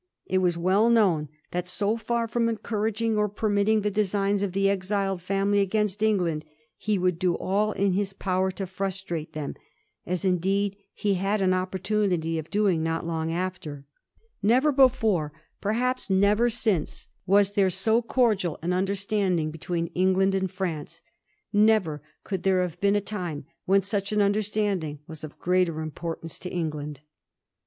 It was well known that, so far from encouraging or permitting the designs of the exiled family against England, he would do all in his power to frustrate them ; as, indeed, he had an opportunity of doing not long after. Never before, perhaps never Digiti zed by Google 238 A HISTORY OF THE FOUR GEORGES. ch. x. since, was there so cordial an understanding between England and France. Never could there have been a time when such an understanding was of greater importance to England.